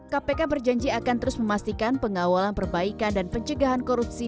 kpk berjanji akan terus memastikan pengawalan perbaikan dan pencegahan korupsi